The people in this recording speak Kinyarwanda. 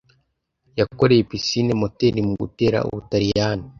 yakoreye pisine moteri mu gutera ubutaliyani